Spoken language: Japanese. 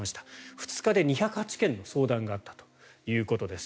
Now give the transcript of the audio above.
２日で２０８件の相談があったということです。